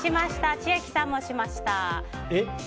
千秋さんもしました。